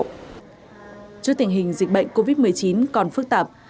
trước tình hình dịch bệnh covid một mươi chín còn phức tạp